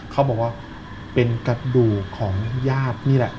เขาบอกว่าเป็นกระดูกของญาตินี่แหละ